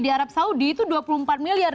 di arab saudi itu dua puluh empat miliar